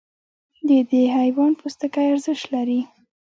د دې حیوان پوستکی ارزښت لري.